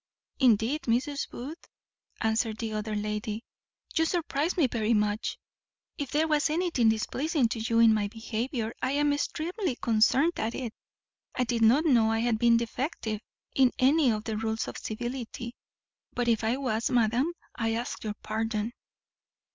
"Indeed, Mrs. Booth," answered the other lady, "you surprize me very much; if there was anything displeasing to you in my behaviour I am extremely concerned at it. I did not know I had been defective in any of the rules of civility, but if I was, madam, I ask your pardon."